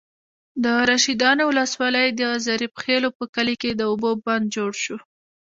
د رشيدانو ولسوالۍ، د ظریف خېلو په کلي کې د اوبو بند جوړ شو.